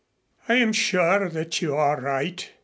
"I am sure that you are right.